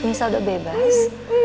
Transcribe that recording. nisa udah bebas